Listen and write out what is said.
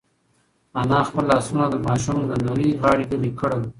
انا خپل لاسونه د ماشوم له نري غاړې لرې کړل.